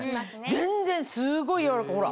全然すごい柔らかいほら。